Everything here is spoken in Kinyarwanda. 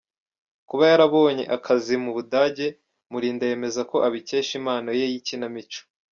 Kuba yarabonye akazi mu Budage, Mulinda yemeza ko abikesha impano ye y’ikinamico.